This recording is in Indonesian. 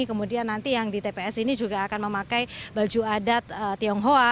kemudian nanti yang di tps ini juga akan memakai baju adat tionghoa